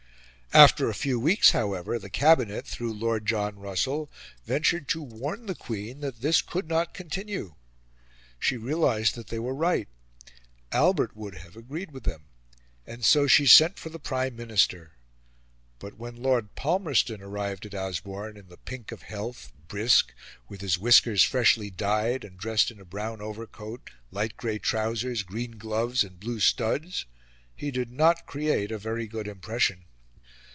After a few weeks, however, the Cabinet, through Lord John Russell, ventured to warn the Queen that this could not continue. She realised that they were right: Albert would have agreed with them; and so she sent for the Prime Minister. But when Lord Palmerston arrived at Osborne, in the pink of health, brisk, with his whiskers freshly dyed, and dressed in a brown overcoat, light grey trousers, green gloves, and blue studs, he did not create a very good impression.